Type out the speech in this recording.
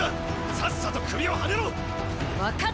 さっさと首をはねろっ！